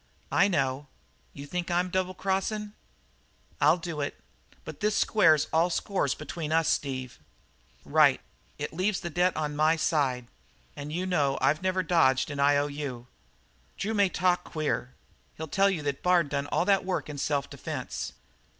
"I know. You think I'm double crossin'?" "I'll do it. But this squares all scores between us, Steve?" "Right. It leaves the debt on my side, and you know I've never dodged an I.O.U. Drew may talk queer. He'll tell you that Bard done all that work in self defence."